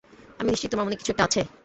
আমি নিশ্চিত তোমার মনে কিছু একটা আছে।